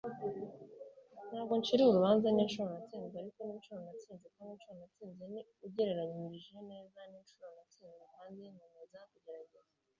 ntabwo nciriwe urubanza ninshuro natsinzwe, ariko ninshuro natsinze: kandi inshuro natsinze ni ugereranije neza ninshuro natsinzwe kandi nkomeza kugerageza